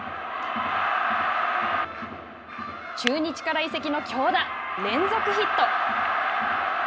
中日から移籍の京田連続ヒット。